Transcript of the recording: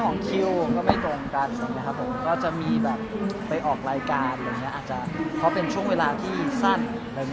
ของคิวก็ไม่ตรงกันจะมีไปออกรายการเพราะเป็นช่วงเวลาที่สั้น